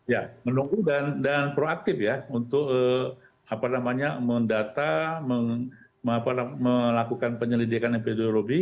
ya menunggu dan proaktif ya untuk mendata melakukan penyelidikan epidemiologi